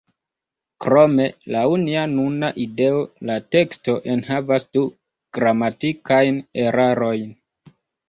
Krome, laŭ nia nuna ideo la teksto enhavas du gramatikajn erarojn.